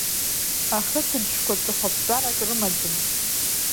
Ахысбыжьқәа ҵыхәаԥҵәарак рымаӡам.